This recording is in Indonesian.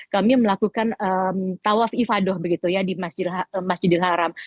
kami melakukan tawaf ifadoh di masjidil haram